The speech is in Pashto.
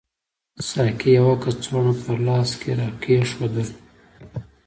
ساقي یوه کڅوړه په لاس کې راکېښودل.